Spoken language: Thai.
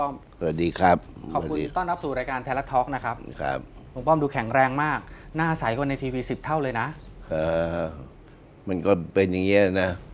มันเป็นอย่างนี้ด้วยนะ